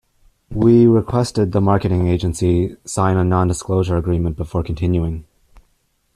We requested the marketing agency sign a non-disclosure agreement before continuing.